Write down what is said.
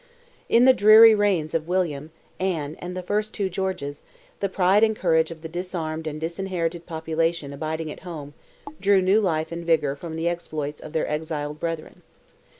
In the dreary reigns of William, Anne, and the two first Georges, the pride and courage of the disarmed and disinherited population abiding at home, drew new life and vigour from the exploits of their exiled brethren.